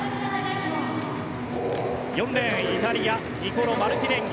４レーン、イタリアニコロ・マルティネンギ。